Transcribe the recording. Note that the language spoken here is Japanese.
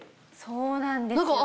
そうなんですよ。